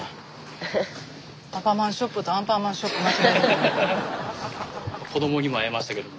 アパマンショップとアンパンマンショップ間違えて。